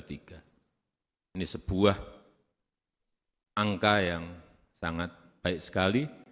ini sebuah angka yang sangat baik sekali